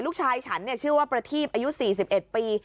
ฉันชื่อว่าประทีบอายุ๔๑ปี